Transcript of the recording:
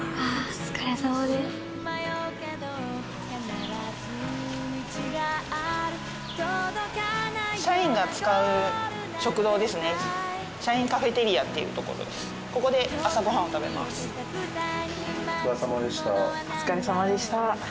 お疲れさまでした。